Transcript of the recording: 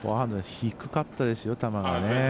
低かったですよ、球がね。